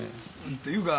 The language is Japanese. っていうか